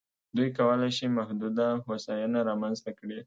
دوی کولای شي محدوده هوساینه رامنځته کړي.